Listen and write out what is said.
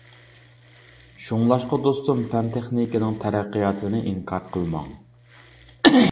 شۇڭلاشقا دوستۇم پەن-تېخنىكىنىڭ تەرەققىياتىنى ئىنكار قىلماڭ.